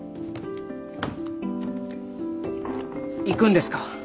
行くんですか？